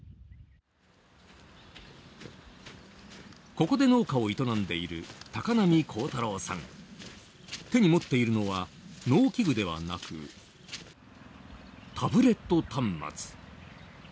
ここで農家を営んでいる手に持っているのは農機具ではなくタブレット端末。